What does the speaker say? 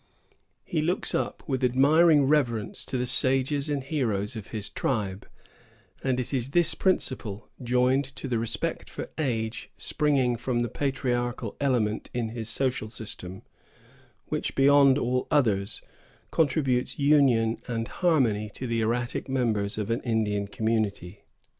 He looks up with admiring reverence to the sages and heroes of his tribe; and it is this principle, joined to the respect for age springing from the patriarchal element in his social system, which, beyond all others, contributes union and harmony to the erratic members of an Indian community.